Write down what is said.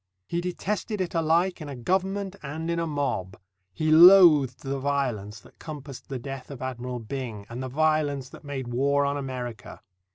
He detested it alike in a government and in a mob. He loathed the violence that compassed the death of Admiral Byng and the violence that made war on America.